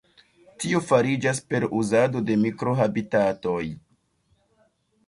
Tio fariĝas per uzado de mikro-habitatoj.